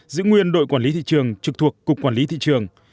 giữ nguyên đội quản lý tỷ trường trực thuộc cục quản lý tỷ trường